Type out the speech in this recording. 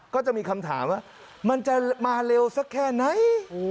ก็จะมีคำถามว่ามันจะมาเร็วสักแค่ไหน